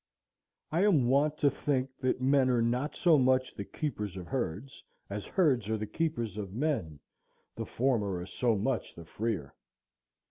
I am wont to think that men are not so much the keepers of herds as herds are the keepers of men, the former are so much the freer.